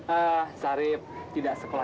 ah sarip tidak sekolah